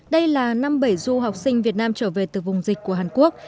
đây là năm bảy du học sinh việt nam trở về từ vùng dịch của hàn quốc